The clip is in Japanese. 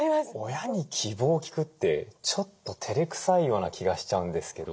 親に希望を聞くってちょっとてれくさいような気がしちゃうんですけど。